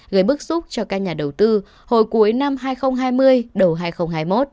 gây bức xúc cho các nhà đầu tư hồi cuối năm hai nghìn hai mươi đầu hai nghìn hai mươi một